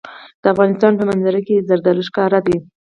د افغانستان په منظره کې زردالو ښکاره ده.